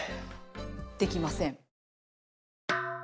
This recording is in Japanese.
できません。